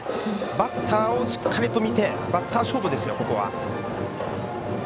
バッターをしっかり見てバッター勝負です、ここは。